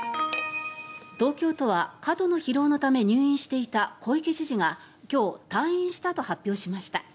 東京都は、過度の疲労のため入院していた小池知事が今日、退院したと発表しました。